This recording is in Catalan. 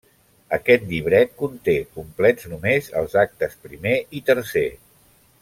Aquest llibret conté complets només els actes primer i tercer.